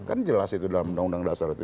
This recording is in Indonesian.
kan jelas itu dalam undang undang dasar itu